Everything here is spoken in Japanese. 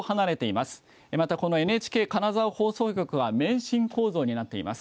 またこのＮＨＫ金沢放送局は免震構造になっています。